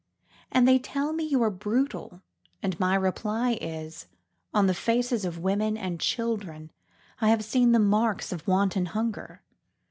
And they tell me you are brutal and my reply is: On the faces of women and children I have seen the marks of wanton hunger.